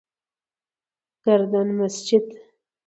گردن مسجد: